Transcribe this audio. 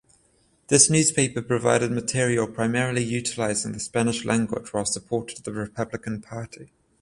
This newspaper provided material primarily utilizing the Spanish language while supported the Republican Party.